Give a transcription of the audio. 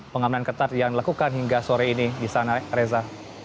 pengamanan ketat yang dilakukan hingga sore ini di sana reza